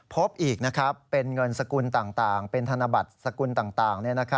พบอีกเป็นเงินสกุลต่างเป็นธนบัตรสกุลต่าง